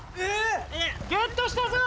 ゲットしたぞ！